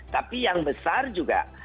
tapi yang besar juga